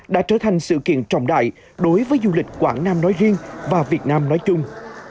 đã trở thành sự kiện trọng đại đối với du lịch quảng nam nói riêng và việt nam nói chung